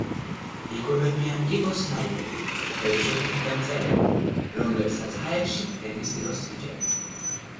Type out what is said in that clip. იკვებებიან კიბოსნაირებით, თევზებითა და მწერებით, რომლებსაც ჰაერში ფრენის დროს იჭერენ.